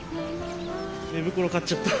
寝袋買っちゃった。